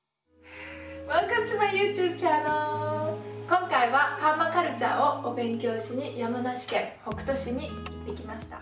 今回はパーマカルチャーをお勉強しに山梨県北杜市に行ってきました。